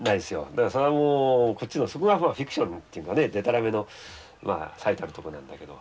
だからそれはもうそこがフィクションというかでたらめの最たるところなんだけど。